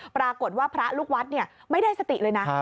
ปรากฏว่าพระลูกวัดไม่ได้สติเลยนะ